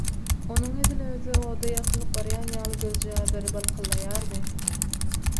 Onuň edil özi oda ýakylyp barýan ýaly gözjagazlary balkyldaýardy.